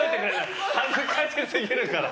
恥ずかしすぎるから。